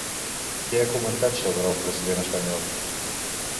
Què ha comentat sobre el president espanyol?